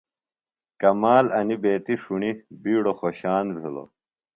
کمال انیۡ بیتیۡ ݜُݨیۡ بِیڈوۡ خوۡشان بِھلوۡ۔